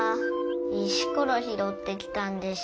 石ころひろってきたんでしょ。